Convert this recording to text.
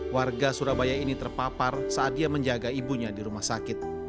warga surabaya ini terpapar saat dia menjaga ibunya di rumah sakit